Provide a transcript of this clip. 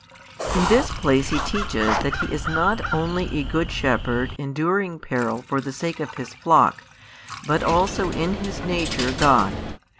In this place He teaches that He is not only a Good Shepherd enduring peril for the sake of His flock, but also in His Nature God.